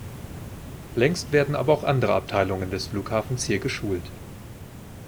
Längst werden aber auch andere Abteilungen des Flughafens hier geschult.